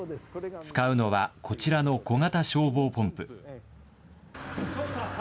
使うのはこちらの小型消防ポンプ。